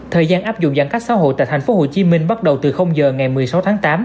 thời gian áp dụng giãn cách xã hội tại tp hcm bắt đầu từ giờ ngày một mươi sáu tháng tám